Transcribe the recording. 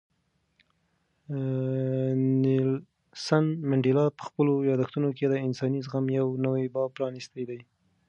نیلسن منډېلا په خپلو یادښتونو کې د انساني زغم یو نوی باب پرانیستی دی.